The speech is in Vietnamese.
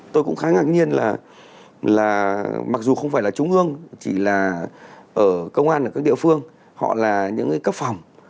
tôi cũng khá ngạc nhiên là mặc dù không phải là trung ương chỉ là ở công an ở các địa phương họ là những cấp phòng